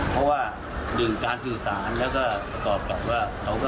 เพราะว่าดึงการสื่อสารแล้วก็ตอบกับว่าเขาก็